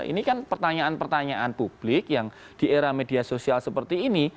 ini kan pertanyaan pertanyaan publik yang di era media sosial seperti ini